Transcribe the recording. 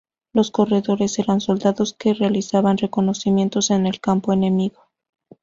Los corredores eran soldados que realizaban reconocimientos en el campo enemigo.